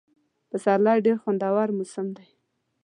پسرلی ډېر خوندور موسم دی.